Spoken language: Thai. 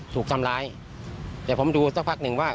ผู้ชายคนนี่ลูกหลา